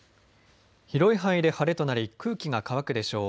広い範囲で晴れとなり空気が乾くでしょう。